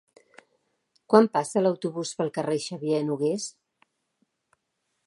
Quan passa l'autobús pel carrer Xavier Nogués?